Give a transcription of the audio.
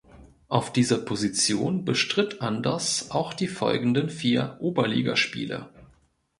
Auf dieser Position bestritt Anders auch die folgenden vier Oberligaspiele.